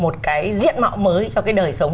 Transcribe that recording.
một cái diện mạo mới cho cái đời sống